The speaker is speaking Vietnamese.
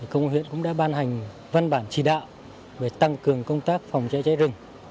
công an huyện cũng đã ban hành văn bản chỉ đạo về tăng cường công tác phòng cháy cháy rừng